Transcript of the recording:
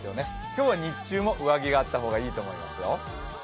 今日は日中も上着があった方がいいと思いますよ。